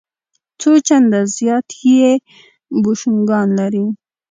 څو چنده زیات یې بوشونګان لري.